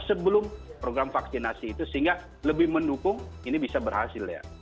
sebelum program vaksinasi itu sehingga lebih mendukung ini bisa berhasil ya